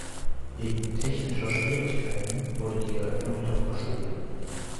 Wegen „technischer Schwierigkeiten“ wurde die Eröffnung jedoch verschoben.